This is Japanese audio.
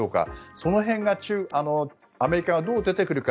その辺がアメリカがどう出てくるか